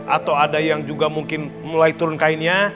atau ada yang juga mungkin mulai turun kainnya